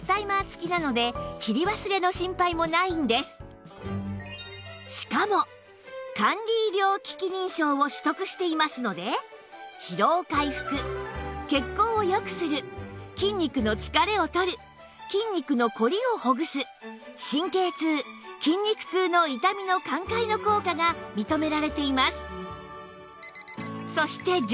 またしかも管理医療機器認証を取得していますので疲労回復血行をよくする筋肉の疲れをとる筋肉のこりをほぐす神経痛筋肉痛の痛みの緩解の効果が認められています